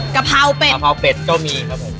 กะเพราเป็ดกะเพราเป็ดก็มีครับผม